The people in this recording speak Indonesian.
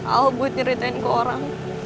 al buat nyeritain ke orang